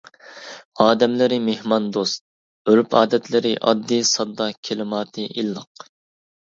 ئادەملىرى مېھماندوست، ئۆرپ-ئادەتلىرى ئاددىي-ساددا، كىلىماتى ئىللىق.